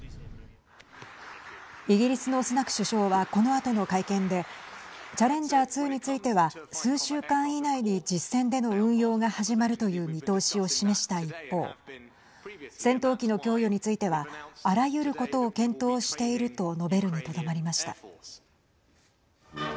イギリスのスナク首相はこのあとの会見でチャレンジャー２については数週間以内に実戦での運用が始まるという見通しを示した一方戦闘機の供与についてはあらゆることを検討していると述べるにとどまりました。